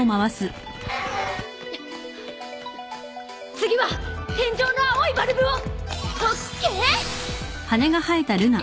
次は天井の青いバルブを。ＯＫ！